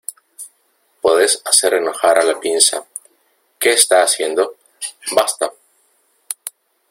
Podes hacer enojar a la pinza. ¿ qué está haciendo? ¡ basta!